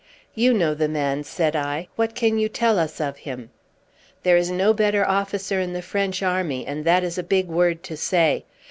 "You know the man," said I. "What can you tell us of him?" "There is no better officer in the French army, and that is a big word to say.